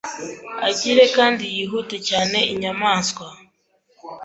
Agile kandi yihuta cyane inyamanswa